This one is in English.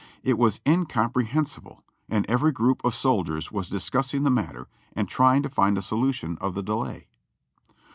It was incom prehensible, and every group of soldiers was discussing the mat ter and trying to find a solution of the delay.